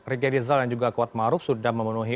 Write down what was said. rike rizal dan kuat ma'ruf sudah memenuhi